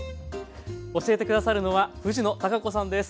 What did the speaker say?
教えて下さるのは藤野貴子さんです。